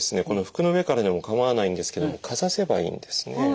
この服の上からでも構わないんですけどもかざせばいいんですね。